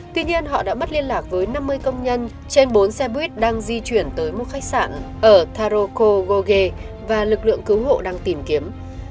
tuy nhiên họ đã mất liên lạc với năm mươi công nhân trên bốn xe buýt đang di chuyển tới một khách sạn ở taroko goge và lực lượng cứu hộ đang tìm kiếm